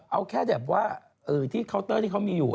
เอาแค่แบบว่าที่เคาน์เตอร์ที่เขามีอยู่